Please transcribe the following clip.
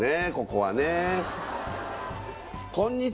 ここはね